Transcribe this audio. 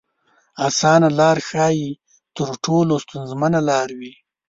اسانه لار ښايي تر ټولو ستونزمنه لار وي.